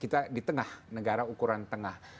kita di tengah negara ukuran tengah